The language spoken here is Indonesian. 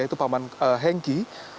itu pak henki